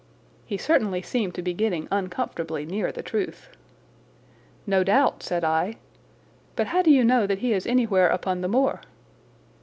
He certainly seemed to be getting uncomfortably near the truth. "No doubt," said I; "but how do you know that he is anywhere upon the moor?"